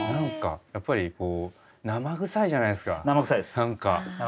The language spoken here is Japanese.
やっぱり生臭いじゃないですか何か。